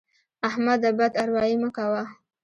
احمده! بد اروايي مه کوه.